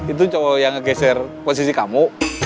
itu yang ngegeser posisi kamu